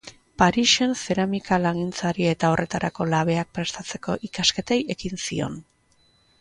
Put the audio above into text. Parisen zeramika-langintzari eta horretarako labeak prestatzeko ikasketei ekin zion.